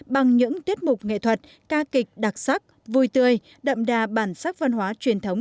bằng những tiết mục nghệ thuật ca kịch đặc sắc vui tươi đậm đà bản sắc văn hóa truyền thống